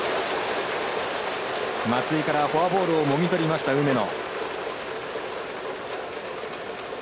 松井からフォアボールをもぎ取りました、梅野。